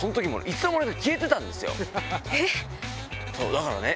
だからね。